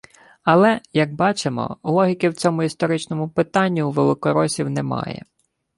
Але, як бачимо, логіки в цьому історичному питанні у великоросів немає